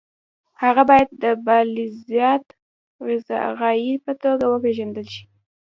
هغه باید د بالذات غایې په توګه وپېژندل شي.